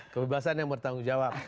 kebebasan yang bertanggung jawab